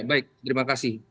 baik terima kasih